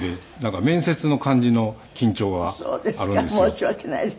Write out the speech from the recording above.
申し訳ないです。